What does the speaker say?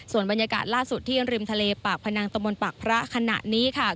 ส่วนบรรยากาศล่าสุดที่ริมทะเลปากพนังตะมนต์ปากพระขณะนี้ค่ะ